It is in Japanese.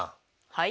はい。